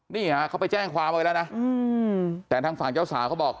นี่ฮะเขาไปแจ้งความไว้แล้วนะแต่ทางฝั่งเจ้าสาวเขาบอก